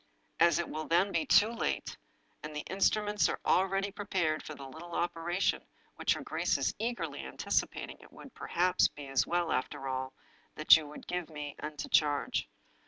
As it will then be too late, and the instruments are already prepared for the little operation which her grace is eagerly anticipating, it would, perhaps, be as well, after all, that you should give me into charge.